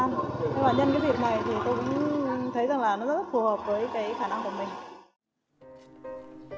nhưng mà nhân cái việc này thì tôi cũng thấy rằng là nó rất phù hợp với cái khả năng của mình